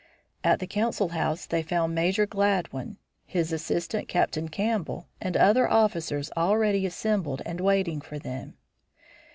At the council house they found Major Gladwin, his assistant, Captain Campbell, and other officers already assembled and waiting for them.